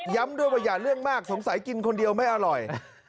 ด้วยว่าอย่าเลี่ยงมากสงสัยกินคนเดียวไม่อร่อย